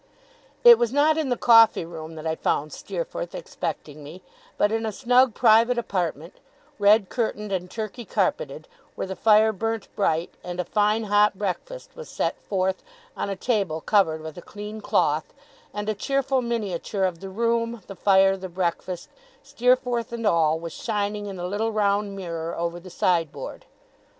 It was not in the coffee room that I found Steerforth expecting me, but in a snug private apartment, red curtained and Turkey carpeted, where the fire burnt bright, and a fine hot breakfast was set forth on a table covered with a clean cloth; and a cheerful miniature of the room, the fire, the breakfast, Steerforth, and all, was shining in the little round mirror over the sideboard.